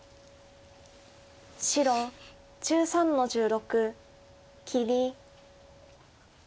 白１３の十六切り。